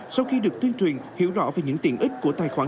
sau khi được tuyên truyền hiểu rõ về những tiện ích của tài khoản